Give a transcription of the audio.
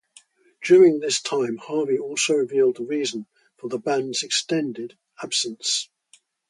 During this time Harvey also revealed the reason for the band's extended absence.